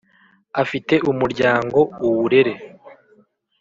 afite umuryango uwurere,